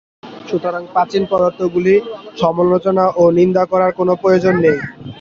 সুতরাং প্রাচীন পদ্ধতিগুলি সমালোচনা ও নিন্দা করার কোন প্রয়োজন নেই।